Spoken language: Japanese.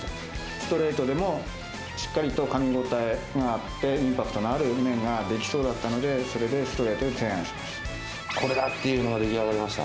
ストレートでも、しっかりとかみ応えがあって、インパクトのある麺が出来そうだったので、それでストレートを提案しました。